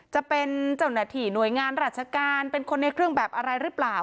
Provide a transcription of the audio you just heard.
จะเป็นเจ้าหน้าที่หน่วยงานราชการเป็นคนในเครื่องแบบอะไรหรือเปล่า